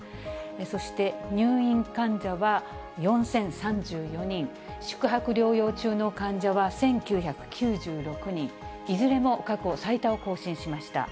そして、入院患者は４０３４人、宿泊療養中の患者は１９９６人、いずれも過去最多を更新しました。